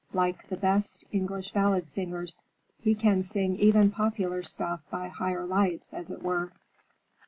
"Like the best English ballad singers. He can sing even popular stuff by higher lights, as it were."